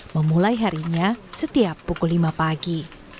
memulai harinya setiap pukul lima pagi